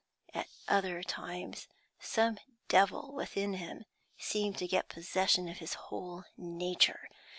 At other times some devil within him seemed to get possession of his whole nature.